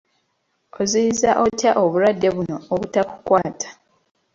Oziyiza otya obulwadde buno obutakukwata?